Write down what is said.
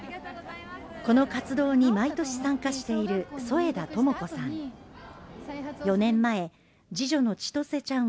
この活動に毎年参加している添田友子さん